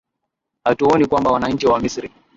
hatuoni kwamba wananchi wa misri